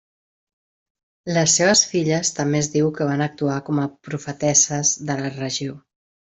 Les seves filles també es diu que van actuar com a profetesses de la regió.